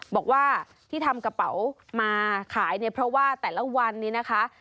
บอกว่าที่ทำกระเป๋ามาขายเนี่ยเพราะว่าแต่ละวันนี้นะคะ